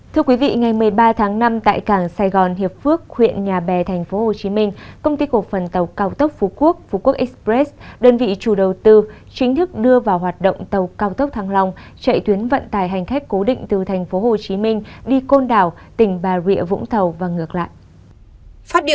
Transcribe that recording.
thưa quý vị ngày một mươi ba tháng năm tại cảng sài gòn hiệp phước huyện nhà bè tp hcm công ty cổ phần tàu cao tốc phú quốc phú quốc express đơn vị chủ đầu tư chính thức đưa vào hoạt động tàu cao tốc thăng long chạy tuyến vận tải hành khách cố định từ tp hcm đi côn đảo tỉnh bà rịa vũng tàu và ngược lại